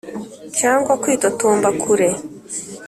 cyangwa kwitotomba kure